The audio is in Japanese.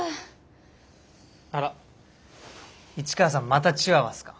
あら市川さんまたチワワっすか？